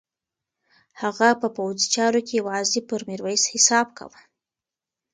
هغه په پوځي چارو کې یوازې پر میرویس حساب کاوه.